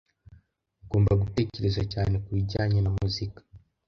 Ugomba gutekereza cyane kubijyanye na muzika.